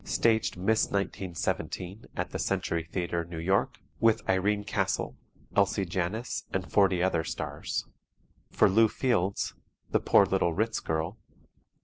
Staged "Miss 1917" at the Century Theatre, New York, with Irene Castle, Elsie Janis and 40 other stars. For Lew Fields: "The Poor Little Ritz Girl."